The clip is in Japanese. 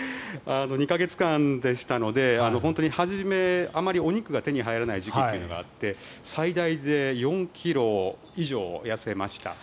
２か月間でしたので本当に初め、お肉があまり手に入らない時期というのがあって最大で４ｋｇ以上痩せました。